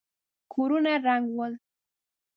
کورونه ړنګ ول.